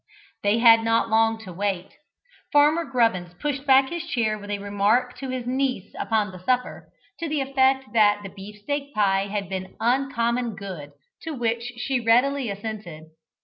They had not long to wait. Farmer Grubbins pushed back his chair with a remark to his niece upon the supper, to the effect that the beefsteak pie had been uncommon good, to which she readily assented.